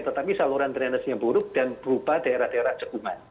tetapi saluran dry nasa yang buruk dan berupa daerah daerah cekungan